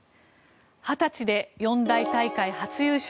２０歳で四大大会初優勝。